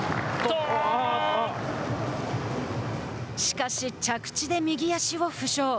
しかし、着地で右足を負傷。